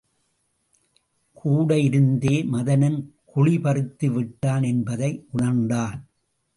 கூட இருந்தே மதனன் குழிபறித்து விட்டான் என்பதை உணர்ந்தான்.